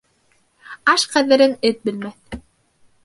Аш ҡәҙерен эт белмәҫ.